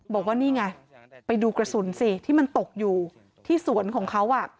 บอกว่านี่ไงไปดูกระสุนสิที่มันตกอยู่ที่สวนของเขา